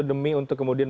demi untuk kemudian